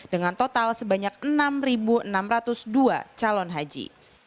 dengan total sebanyak enam enam ratus dua calon haji